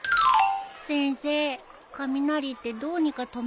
先生雷ってどうにか止められないんですか？